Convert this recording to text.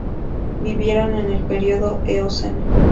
Vivieron en el período Eoceno.